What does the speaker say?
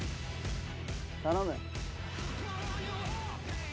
頼む。